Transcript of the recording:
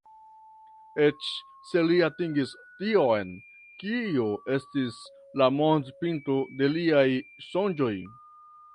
Eĉ se li atingis tion, kio estis la montpinto de liaj sonĝoj."